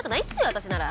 私なら。